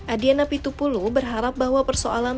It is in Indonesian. adian napi tupulu berharap bahwa persoalan